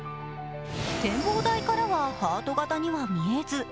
展望台からはハート形には見えず。